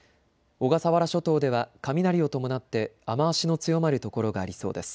小笠原諸島では雷を伴って雨足の強まる所がありそうです。